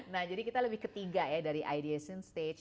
nah jadi kita lebih ketiga ya dari ideation stage